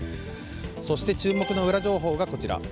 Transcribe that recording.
そして注目のウラ情報はこちら。